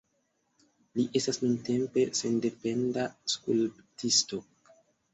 Li estas nuntempe sendependa skulptisto.